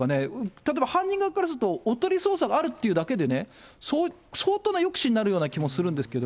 例えば犯人側からすると、おとり捜査があるっていうだけでね、相当な抑止になるような気もするんですけど。